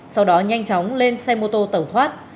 sau đó nhanh chóng lên xe mô tô tẩu thoát